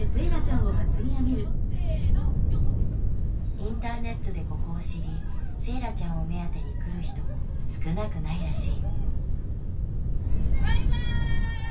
インターネットでここを知りセーラちゃんを目当てに来る人も少なくないらしい。